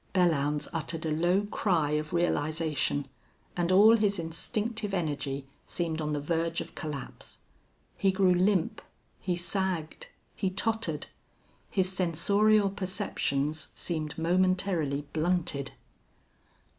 Belllounds uttered a low cry of realization, and all his instinctive energy seemed on the verge of collapse. He grew limp, he sagged, he tottered. His sensorial perceptions seemed momentarily blunted.